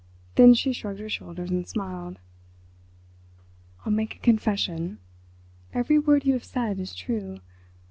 Then she shrugged her shoulders and smiled. "I'll make a confession. Every word you have said is true.